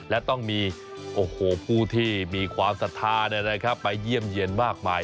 และต้องมีผู้ที่มีความศรัทธาไปเยี่ยมเยี่ยนมากมาย